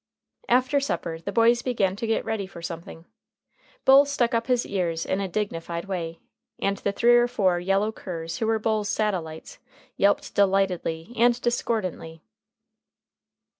After supper, the boys began to get ready for something. Bull stuck up his ears in a dignified way, and the three or four yellow curs who were Bull's satellites yelped delightedly and discordantly.